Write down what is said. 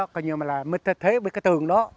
thay thế mấy cái tường đó